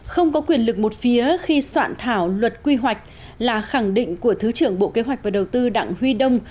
không có quyền lực một phía khi soạn thảo luật quy hoạch là khẳng định của thứ trưởng bộ kế hoạch và đầu tư đặng huy đông